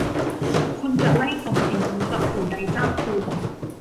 คุณจะไม่ส่งสิ่งนี้กลับสู่นายจ้างคุณ ?